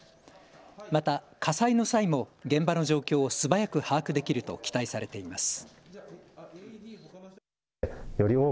また火災の際も現場の状況を素早く把握できると期待されています。